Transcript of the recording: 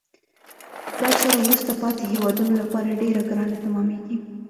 دا چاره وروسته پاتې هېوادونه لپاره ډیره ګرانه تمامیږي.